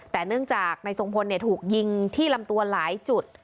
แต่เนื่องจากนายทรงพลถูกยิงที่ลำตัวหลายจุด